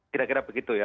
kira kira begitu ya